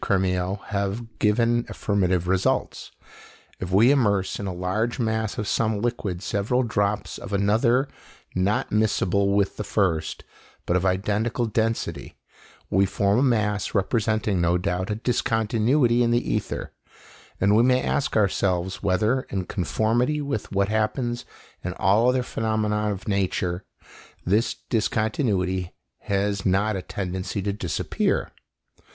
Crémieux have given affirmative results: if we immerse in a large mass of some liquid several drops of another not miscible with the first, but of identical density, we form a mass representing no doubt a discontinuity in the ether, and we may ask ourselves whether, in conformity with what happens in all other phenomena of nature, this discontinuity has not a tendency to disappear.